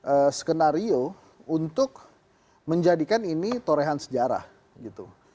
ada skenario untuk menjadikan ini torehan sejarah gitu